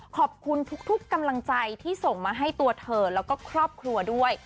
ขอบคุณทุกกำลังใจที่ส่งมาให้ตัวเธอแล้วก็ครอบครัวด้วย